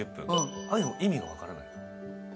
ああいうのも意味が分からない。